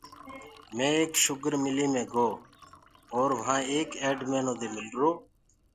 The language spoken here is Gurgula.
مي ايڪ شُگر ملي مي گو اور وهآنٚ ايڪ ايڊمينو دي مِلرو۔